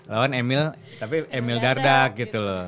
lawan emil tapi emil dardak gitu loh